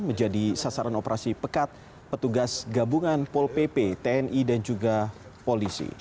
menjadi sasaran operasi pekat petugas gabungan pol pp tni dan juga polisi